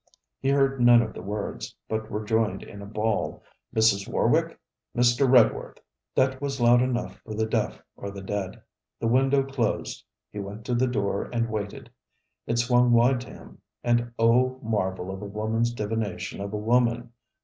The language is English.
He heard none of the words, but rejoined in a bawl: 'Mrs. Warwick! Mr. Redworth!' That was loud enough for the deaf or the dead. The window closed. He went to the door and waited. It swung wide to him; and O marvel of a woman's divination of a woman!